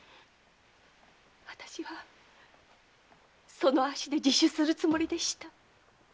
私はその足で自首するつもりでした。